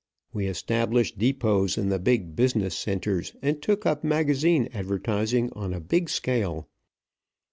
We established depots in the big business centres, and took up magazine advertising on a big scale.